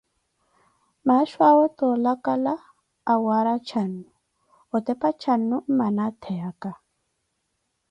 Maaxho awe toolakala, awaarya caanu, otepa caanu mmana atheyaka.